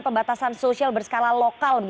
pembatasan sosial berskala lokal